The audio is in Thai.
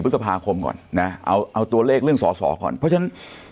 พฤษภาคมก่อนนะเอาเอาตัวเลขเรื่องสอสอก่อนเพราะฉะนั้น